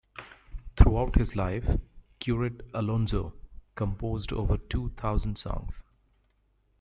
Throughout his life, Curet Alonso composed over two thousand songs.